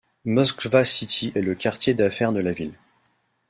Moskva City est le quartier d'affaires de la ville.